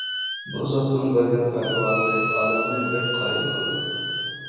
بۇ زاتنىڭ بەرگەن پەتىۋالىرى ئادەمنى بەك قايىل قىلىدۇ.